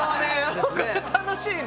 楽しいね。